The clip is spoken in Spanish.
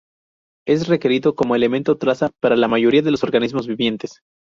Es requerido como elemento traza para la mayoría de los organismos vivientes.